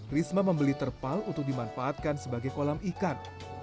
risma membeli terpal untuk dimanfaatkan sebagai kolam ikan